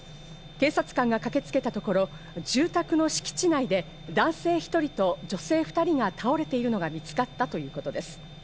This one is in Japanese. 警察官が駆けつけたところ、住宅の敷地内で男性１人と女性２人が倒れているのが見つかったということです。